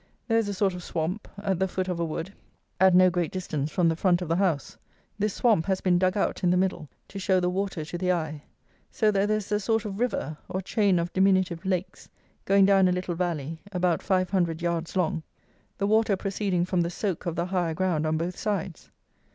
There is a sort of swamp, at the foot of a wood, at no great distance from the front of the house. This swamp has been dug out in the middle to show the water to the eye; so that there is a sort of river, or chain of diminutive lakes, going down a little valley, about 500 yards long, the water proceeding from the soak of the higher ground on both sides.